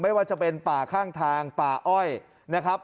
ไม่ว่าจะเป็นป่าข้างทางป่าอ้อยนะครับ